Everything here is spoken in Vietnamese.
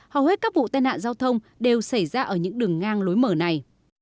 hầu hết các vụ tai nạn giao thông đều xảy ra ở những đường ngang lối mở này